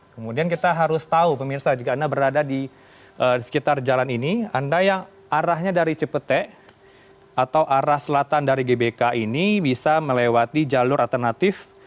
kemudian kita harus tahu pemirsa jika anda berada di sekitar jalan ini anda yang arahnya dari cipete atau arah selatan dari gbk ini bisa melewati jalur alternatif